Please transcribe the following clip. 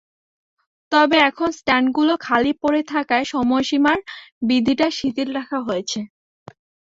তবে এখন স্ট্যান্ডগুলো খালি পড়ে থাকায় সময়সীমার বিধিটা শিথিল রাখা হয়েছে।